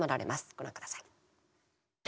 ご覧ください！